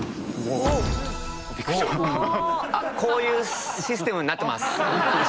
こういうシステムになってます。